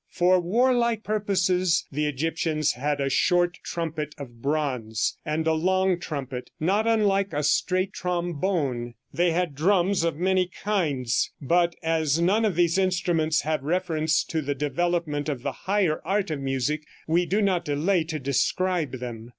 For warlike purposes the Egyptians had a short trumpet of bronze, and a long trumpet, not unlike a straight trombone. They had drums of many kinds, but as none of these instruments have reference to the development of the higher art of music, we do not delay to describe them.